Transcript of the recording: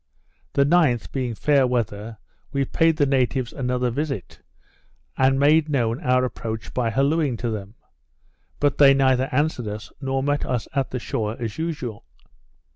The 9th, being fair weather, we paid the natives another visit, and made known our approach by hallooing to them; but they neither answered us, nor met us at the shore as usual.